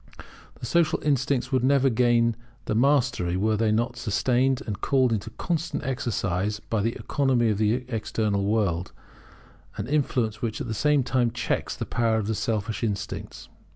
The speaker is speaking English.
The social instincts would never gain the mastery were they not sustained and called into constant exercise by the economy of the external world, an influence which at the same time checks the power of the selfish instincts.